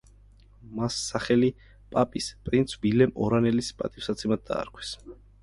მას სახელი პაპის, პრინც ვილემ ორანელის პატივსაცემად დაარქვეს.